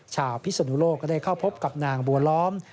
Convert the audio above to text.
พิศนุโลกก็ได้เข้าพบกับนางบัวล้อม